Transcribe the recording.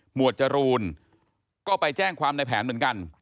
วดจรูนก็ไปแจ้งความในแผนเหมือนกัน